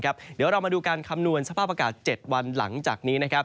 เดี๋ยวเรามาดูการคำนวณสภาพอากาศ๗วันหลังจากนี้นะครับ